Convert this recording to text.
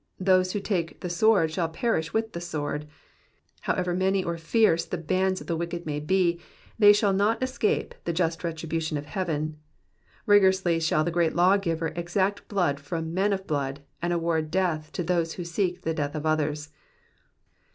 Those who take the sword shall perish with the sword. However many or fierce the bands of the wicked may be, they shall not escape the just retribution of heaven ; rigorously shall the great lawgiver exact blood from men of blood, and award death to those who seek the death of others.